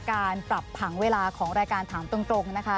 การปรับผังเวลาของรายการถามตรงนะคะ